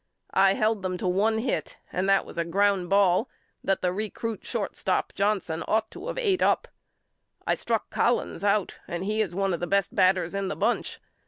I held them to one hit and that was a ground ball that the recrut shortstop Johnson ought to of ate up. I struck Collins out and he is one of the best batters in the bunch.